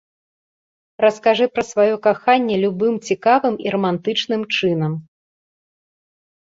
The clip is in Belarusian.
Раскажы пра сваё каханне любым цікавым і рамантычным чынам.